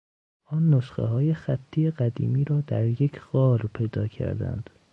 آن نسخههای خطی قدیمی را در یک غار پیدا کردند.